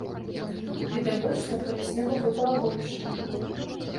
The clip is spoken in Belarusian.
Відавочна, калі снегу выпала больш.